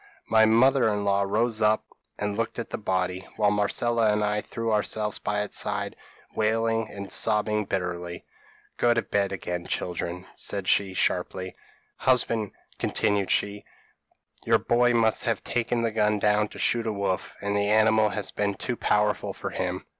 p> "My mother in law rose up, and looked at the body, while Marcella and I threw ourselves by its side, wailing and sobbing bitterly. "'Go to bed again, children,' said she, sharply. 'Husband,' continued she, 'your boy must have taken the gun down, to shoot a wolf, and the animal has been too powerful for him.